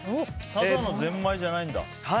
ただのぜんまいじゃないんだ。